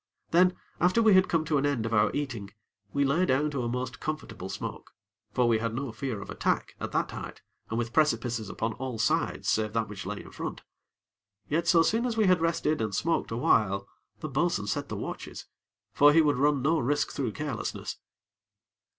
Then, after we had come to an end of our eating, we lay down to a most comfortable smoke; for we had no fear of attack, at that height, and with precipices upon all sides save that which lay in front. Yet, so soon as we had rested and smoked a while, the bo'sun set the watches; for he would run no risk through carelessness.